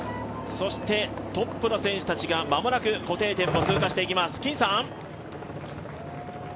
そして、トップの選手たちが固定店を通過していきます。